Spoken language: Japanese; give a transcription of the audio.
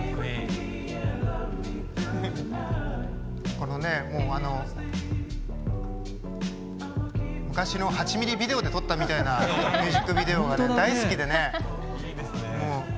このねもうあの昔の８ｍｍビデオで撮ったみたいなミュージックビデオが大好きでね。